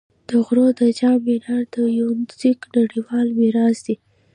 د غور د جام منار د یونسکو نړیوال میراث دی